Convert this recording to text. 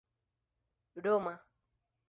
roma